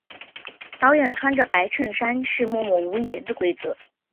导演穿着白衬衫是默默无言的规则。